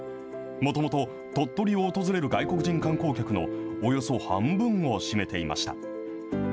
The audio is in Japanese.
もともと、鳥取を訪れる外国人観光客のおよそ半分を占めていました。